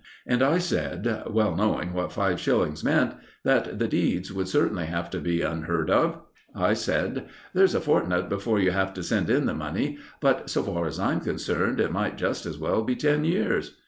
And I said, well knowing what five shillings meant, that the deeds would certainly have to be unheard of. I said: "There's a fortnight before you have to send in the money, but, so far as I am concerned, it might just as well be ten years."